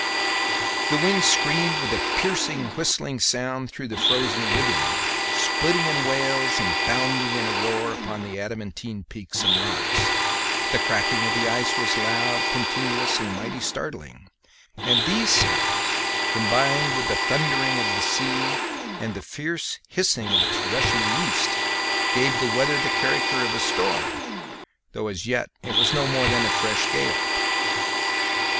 The wind screamed with a piercing whistling sound through the frozen rigging, splitting in wails and bounding in a roar upon the adamantine peaks and rocks; the cracking of the ice was loud, continuous, and mighty startling; and these sounds, combined with the thundering of the sea and the fierce hissing of its rushing yeast, gave the weather the character of a storm, though as yet it was no more than a fresh gale.